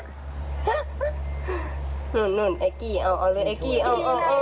นู่นไอ้กี้เอาเอาเลยไอ้กี้เอา